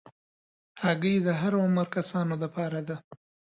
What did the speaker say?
هګۍ د هر عمر کسانو لپاره ده.